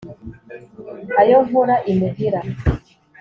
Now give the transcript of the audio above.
ayo nkora imuhira